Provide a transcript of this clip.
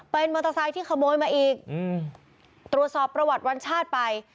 เป็นมอเตอร์ไซค์ที่ขโมยมาอีกตรวจสอบประวัติวันชาติไป